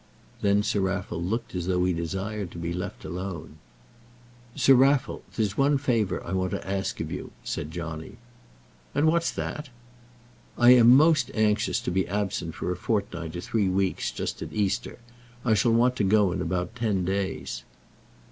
Then Sir Raffle looked as though he desired to be left alone. "Sir Raffle, there's one favour I want to ask of you," said Johnny. "And what's that?" "I am most anxious to be absent for a fortnight or three weeks, just at Easter. I shall want to go in about ten days."